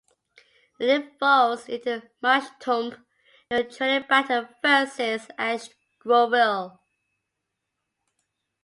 It evolves into Marshtomp during a training battle versus Ash's Grovyle.